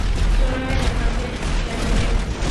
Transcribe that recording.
Son aves bastante longevas.